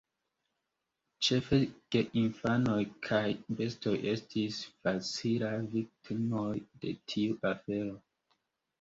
Ĉefe geinfanoj kaj bestoj estis facilaj viktimoj de tiu afero.